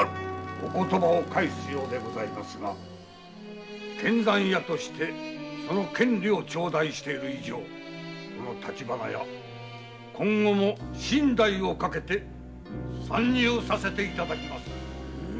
お言葉を返すようですが献残屋の権利を頂戴している以上今後も身代を賭けて参入させていただきます。